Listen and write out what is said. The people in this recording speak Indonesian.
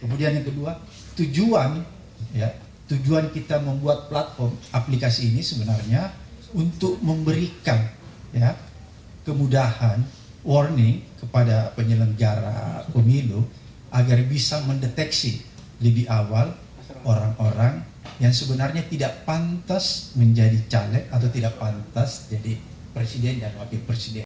kemudian yang kedua tujuan kita membuat platform aplikasi ini sebenarnya untuk memberikan kemudahan warning kepada penyelenggara pemilu agar bisa mendeteksi lebih awal orang orang yang sebenarnya tidak pantas menjadi caleg atau tidak pantas jadi presiden dan wakil presiden